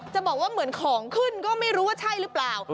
จะบอกว่าเหมือนของขึ้นก็ไม่รู้ว่าใช่หรือเปล่า